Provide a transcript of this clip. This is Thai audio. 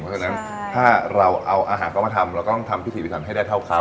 เพราะฉะนั้นถ้าเราเอาอาหารเข้ามาทำเราก็ต้องทำพิธีพิธรรมให้ได้เท่าเขา